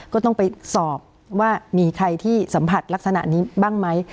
ก็ต้องไปสอบว่ามีใครที่สัมผัสลักษณะนี้บ้างไหม